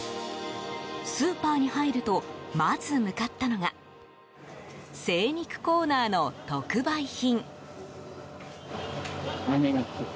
スーパーに入るとまず向かったのが精肉コーナーの特売品。